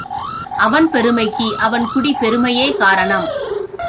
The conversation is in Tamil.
அவன் பெருமைக்கு அவன் குடிப் பெருமையே காரணம்.